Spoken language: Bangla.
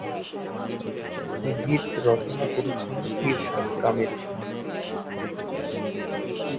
গীত রচনা করেছেন ইরশাদ কামিল।